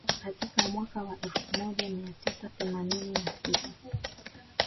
Katika mwaka wa elfu moja mia tisa themanini na sita